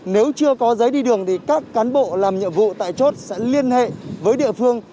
nếu chưa có giấy đi đường thì các cán bộ làm nhiệm vụ tại chốt sẽ liên hệ với địa phương